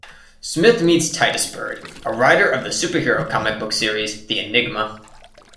Smith meets Titus Bird, a writer of the superhero comic book series "The Enigma".